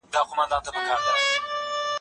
سبزېجات د مور له خوا تيار کيږي.